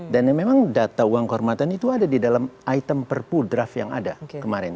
dan memang data uang kehormatan itu ada di dalam item per pudraf yang ada kemarin